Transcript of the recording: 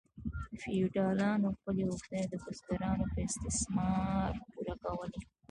فیوډالانو خپلې غوښتنې د بزګرانو په استثمار پوره کولې.